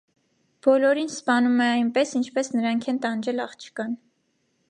Բոլորին սպանում է այնպես, ինչպես նրանք են տանջել աղջկան։